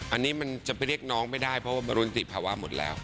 อันนี้มันจะไปเรียกน้องไม่ได้เพราะว่าบรุนติภาวะหมดแล้ว